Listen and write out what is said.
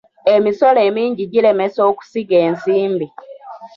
Emisolo emingi giremesa okusiga ensimbi.